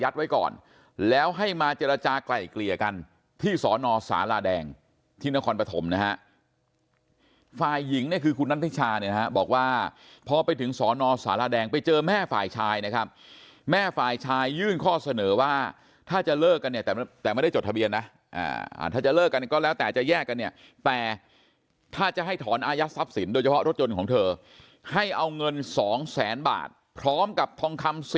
ให้มาเจรจากลายเกลี่ยกันที่สอนอสาราแดงที่นครปฐมนะฮะฝ่ายหญิงเนี่ยคือคุณนัทธิชาเนี่ยนะฮะบอกว่าพอไปถึงสอนอสารแดงไปเจอแม่ฝ่ายชายนะครับแม่ฝ่ายชายยื่นข้อเสนอว่าถ้าจะเลิกกันเนี่ยแต่ไม่ได้จดทะเบียนนะถ้าจะเลิกกันก็แล้วแต่จะแยกกันเนี่ยแต่ถ้าจะให้ถอนอายัดทรัพย์สินโดยเฉพาะรถยนต์ของเธอให้เอาเงินสองแสนบาทพร้อมกับทองคำส